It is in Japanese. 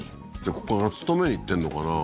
ここから勤めに行ってんのかな？